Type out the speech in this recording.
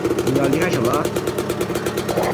拟岩蕨为鳞毛蕨科鳞毛蕨属下的一个种。